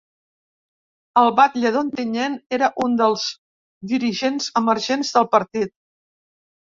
El batlle d’Ontinyent era un dels dirigents emergents del partit.